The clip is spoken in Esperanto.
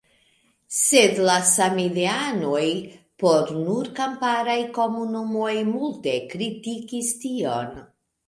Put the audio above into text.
Sed la samideanoj por nur kamparaj komunumoj multe kritikis tion.